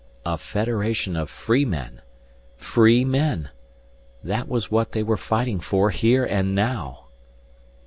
A Federation of Free Men Free Men! That was what they were fighting for here and now.